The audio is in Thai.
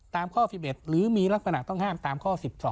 ตามข้อ๑๑หรือมีลักษณะต้องห้ามตามข้อ๑๒